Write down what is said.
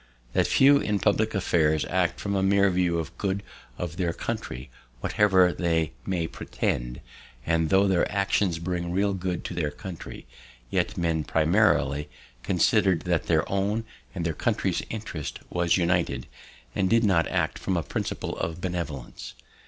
"That few in public affairs act from a mere view of the good of their country, whatever they may pretend; and, tho' their actings bring real good to their country, yet men primarily considered that their own and their country's interest was united, and did not act from a principle of benevolence.